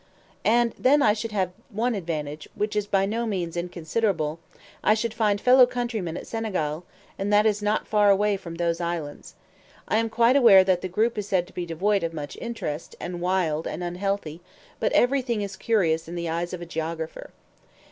"And then I should have one advantage, which is by no means inconsiderable I should find fellow countrymen at Senegal, and that is not far away from those islands. I am quite aware that the group is said to be devoid of much interest, and wild, and unhealthy; but everything is curious in the eyes of a geographer.